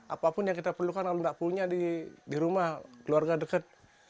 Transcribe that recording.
apapun yang kita perlukan kalau tidak punya di rumah keluarga dekat